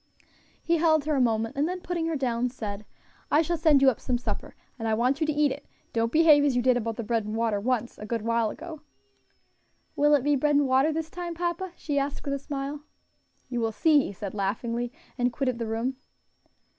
He held her a moment, and then putting her down, said, "I shall send you up some supper, and I want you to eat it; don't behave as you did about the bread and water once, a good while ago." "Will it be bread and water this time, papa?" she asked, with a smile. "You will see," he said, laughingly, and quitted the room.